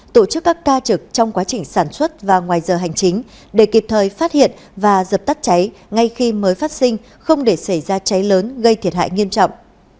tổ chức các ca trực trong quá trình sản xuất và ngoài giờ hành chính để kịp thời phát hiện và dập tắt cháy ngay khi mới phát sinh không để xảy ra cháy lớn gây thiệt hại nghiêm trọng